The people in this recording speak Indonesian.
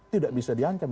tidak bisa di ancam